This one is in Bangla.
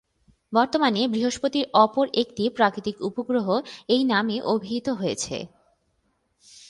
বর্তমানে বৃহস্পতির অপর একটি প্রাকৃতিক উপগ্রহ এই নামে অভিহিত হয়েছে।